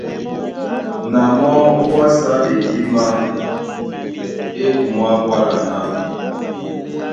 Na mɔ́ ówásá ɓekímá é kumwá kwála ná: